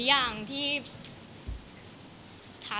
สวัสดีครับ